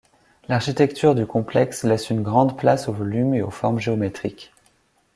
L'architecture du complexe laisse une grande place aux volumes et aux formes géométriques.